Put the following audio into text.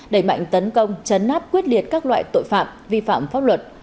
đẩy mạnh tấn công chấn áp quyết liệt các loại tội phạm vi phạm pháp luật